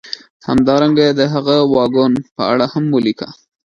همدارنګه د هغه واګون په اړه هم ولیکه